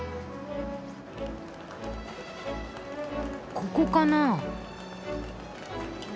ここかな？